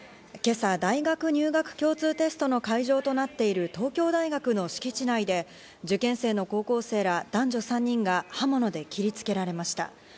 今朝、大学入学共通テストの会場となっている東京大学の敷地内で、受験生の高校生ら男女３人が刃物で切りつけられました。